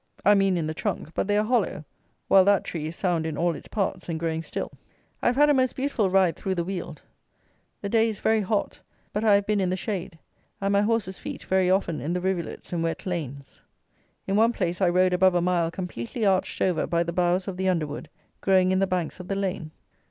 I mean in the trunk; but they are hollow, while that tree is sound in all its parts, and growing still. I have had a most beautiful ride through the Weald. The day is very hot; but I have been in the shade; and my horse's feet very often in the rivulets and wet lanes. In one place I rode above a mile completely arched over by the boughs of the underwood, growing in the banks of the lane.